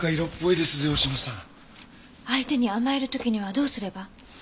相手に甘える時にはどうすれば？